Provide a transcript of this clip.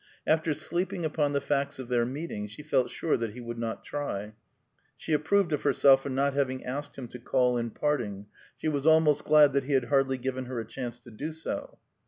After sleeping upon the facts of their meeting she felt sure that he would not try. She approved of herself for not having asked him to call in parting. She was almost glad that he hardly had given her a chance to do so.